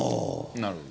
なるほど。